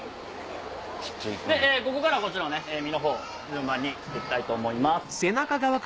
ここからこっちの身のほう順番に行きたいと思います。